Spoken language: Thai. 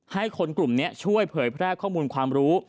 ให้คนกลุ่มนี้ช่วยเผยแพร่ข้อมูลความรู้